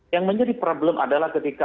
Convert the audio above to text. yang menjadi problem adalah ketika